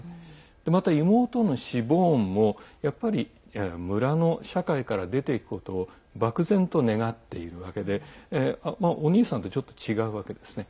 また、妹のシボーンも、やっぱり村の社会から出ていくことを漠然と願っているわけでお兄さんとちょっと違うわけですね。